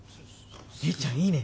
姉ちゃんいいね。